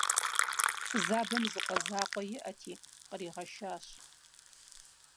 Фызабэм зы къуэ закъуэ иӀэти, къригъэшащ.